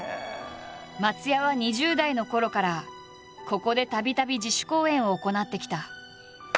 松也は２０代のころからここでたびたび自主公演を行ってきた。